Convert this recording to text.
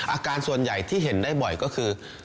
อาการส่วนใหญ่ที่เห็นได้บ่อยก็คือ